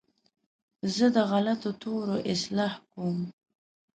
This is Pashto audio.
زه د غلطو تورو اصلاح کوم.